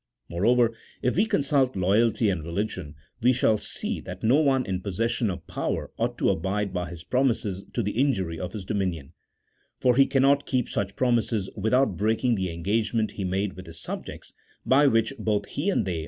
Moreover, if we consult loyalty and religion, we shall see that no one in possession of power ought to abide by his promises to the injury of his dominion ; for he cannot keep such promises without breaking the engage ment he made with his subjects, by which both he and they r.